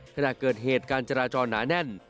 ขณะเกิดเหตุการจราจรหนาแน่น